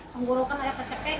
menggorokan air kecepek